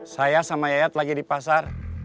saya sama yayat lagi di pasar